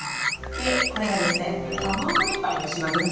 いえこれはですねハモグリバエの仕業ですね。